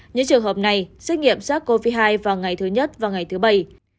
những trường hợp này xét nghiệm sars cov hai vào ngày thứ nhất và ngày thứ bảy